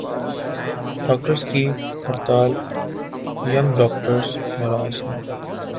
Doctors کی ہڑتال "young doctors "ناراض ہیں۔